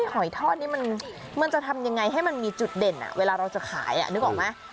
หอยทอดนี้มันจะทำยังไงให้มันมีจุดเด่นเวลาเราจะขายนึกออกไหม